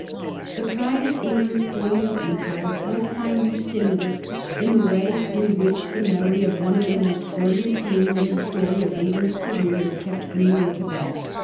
The pride of England's colonial empire might find new stimulus in the way in which the memory of one of the most brilliant scenes in the story of England's career is kept green in Quebec.